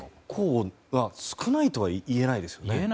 少ないとはいえないですよね。